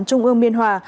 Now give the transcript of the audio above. trung ương biên hòa